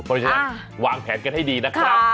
เพราะฉะนั้นวางแผนกันให้ดีนะครับ